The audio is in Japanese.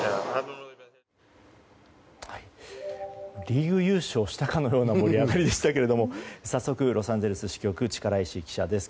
リーグ優勝したかのような盛り上がりでしたけども早速、ロサンゼルス支局力石記者です。